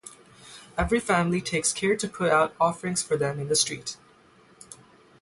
Every family takes care to put out offerings for them in the street.